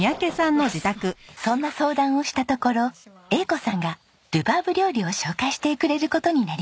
そんな相談をしたところえい子さんがルバーブ料理を紹介してくれる事になりました。